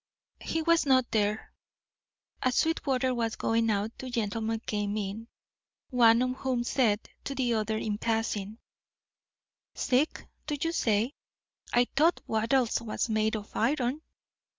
He was not there. As Sweetwater was going out two gentlemen came in, one of whom said to the other in passing: "Sick, do you say? I thought Wattles was made of iron."